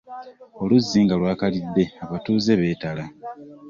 Oluzzi nga lwakalidde abatuuze beetala.